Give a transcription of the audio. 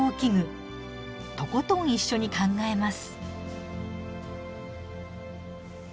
とことん一緒に考えます。